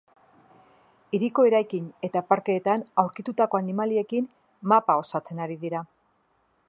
Hiriko eraikin eta parkeetan aurkitutako animaliekin mapa osatzen ari dira.